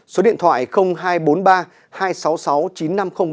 số điện thoại hai trăm bốn mươi ba hai trăm sáu mươi sáu chín nghìn năm trăm linh ba